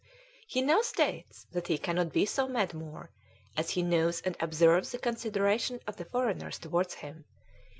"He now states that he cannot be so mad more, as he knows and observes the consideration of the foreigners towards him.